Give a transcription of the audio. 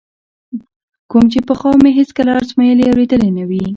کوم چې پخوا مې هېڅکله ازمایلی او لیدلی نه وي.